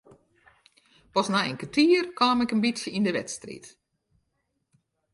Pas nei in kertier kaam ik in bytsje yn de wedstriid.